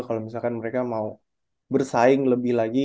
kalau misalkan mereka mau bersaing lebih lagi